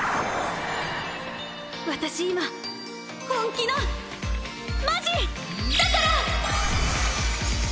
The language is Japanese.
私今本気のマジだから！